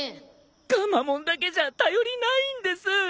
ガンマモンだけじゃ頼りないんです。